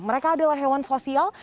mereka adalah hewan sosial